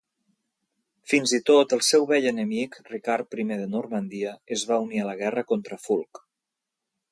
Fins i tot el seu vell enemic, Ricard I de Normandia es va unir a la guerra contra Fulk.